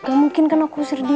nggak mungkin kan aku usir dia